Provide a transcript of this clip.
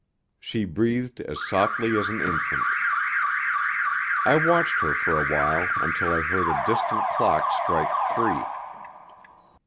She breathed as softly as an infant. I watched her for a while until I heard a distant clock strike three.